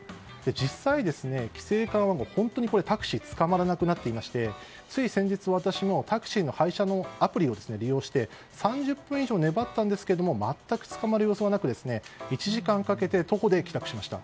実際、規制緩和後、タクシーがつかまらなくなっていましてつい先日私もタクシーの配車のアプリを利用して３０分以上粘ったんですけど全く捕まる様子はなく１時間かけて徒歩で帰宅しました。